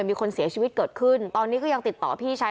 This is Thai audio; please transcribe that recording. มีคนเสียชีวิตเกิดขึ้นตอนนี้ก็ยังติดต่อพี่ชาย